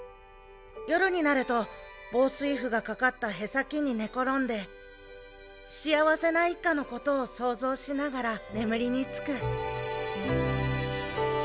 夜になると防水布が掛かったへさきに寝転んで幸せな一家のことを想像しながら眠りにつく。